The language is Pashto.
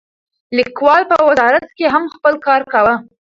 لیکوال په وزارت کې هم خپل کار کاوه.